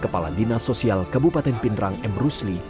kepala dinas sosial kabupaten pindrang m rusli